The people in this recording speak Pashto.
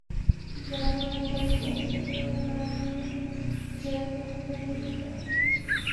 د درملو تولید او صادراتو له امله ژر پراختیا ومونده.